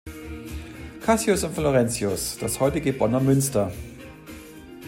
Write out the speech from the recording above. Cassius und Florentius“, das heutige Bonner Münster.